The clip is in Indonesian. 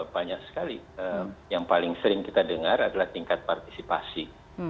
banyak sekali yang paling sering kita dengar adalah tingkat partisipasi